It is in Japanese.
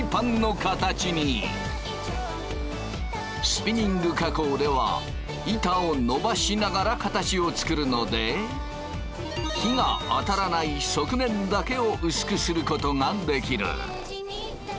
スピニング加工では板をのばしながら形を作るので火があたらない側面だけを薄くすることができる。